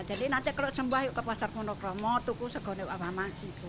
jadi nanti kalau sembah yuk ke pasar monokromo tukus segonek apa apa